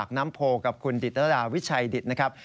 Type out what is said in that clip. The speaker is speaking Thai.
กับคุณดิตราวิชัยดิตนะครับ